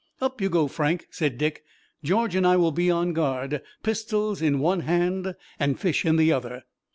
"Up you go, Frank," said Dick. "George and I will be on guard, pistols in one hand and fish in the other."